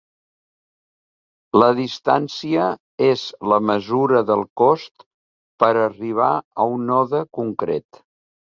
La distància és la mesura del cost per arribar a un node concret.